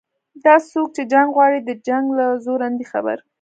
دا څوک چې جنګ غواړي د جنګ له زوره نه دي خبر